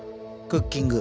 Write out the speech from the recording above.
クッキング？